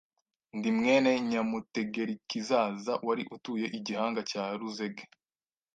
Ndi mwene Nyamutegerikizaza wari utuye i Gihinga cya Ruzege,